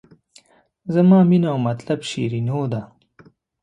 زما مینه او مطلب شیرینو ده.